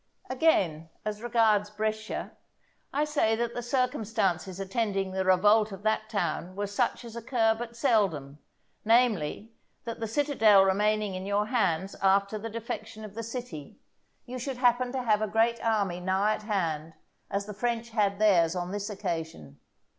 Again, as regards Brescia, I say that the circumstances attending the revolt of that town were such as occur but seldom, namely, that the citadel remaining in your hands after the defection of the city, you should happen to have a great army nigh at hand, as the French had theirs on this occasion.